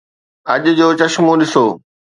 اڄ جو چشمو ڏسو.